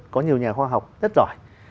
có nhiều nhà khoa học rất giỏi